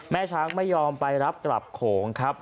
ช้างไม่ยอมไปรับกลับโขงครับ